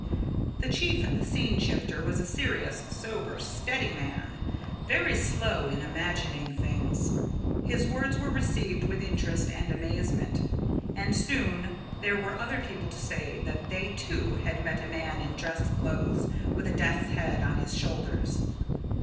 This chief scene shifter was a serious, sober, steady man, very slow at imagining things. His words were received with interest and amazement; and soon there were other people to say that they too had met a man in dress clothes with a death's head on his shoulders.